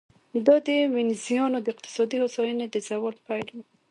دا د وینزیانو د اقتصادي هوساینې د زوال پیل و